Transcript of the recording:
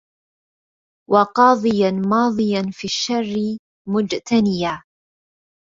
وقاضيا ماضيا في الشر مجتنيا